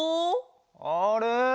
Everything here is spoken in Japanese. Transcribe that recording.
あれ？